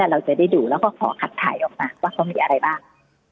เราจะได้ดูแล้วก็ขอคัดถ่ายออกมาว่าเขามีอะไรบ้าง